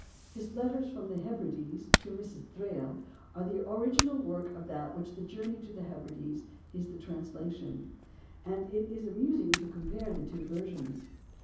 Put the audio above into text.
His letters from the Hebrides to Mrs. Thrale are the original of that work of which the Journey to the Hebrides is the translation; and it is amusing to compare the two versions.